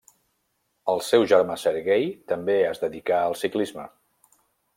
El seu germà Serguei també es dedicà al ciclisme.